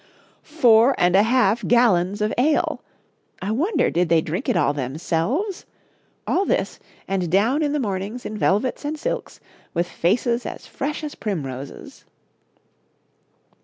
Four and a half gallons of ale! I wonder did they drink it all themselves? All this, and down in the mornings in velvets and silks, with faces as fresh as primroses.